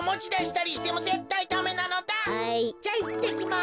じゃいってきます。